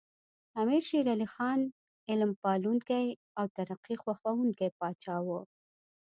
امیر شیر علی خان علم پالونکی او ترقي خوښوونکی پاچا و.